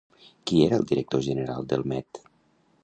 Qui era el director general del Met?